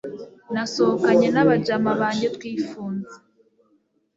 nasohokanye nabajama banjye twifunze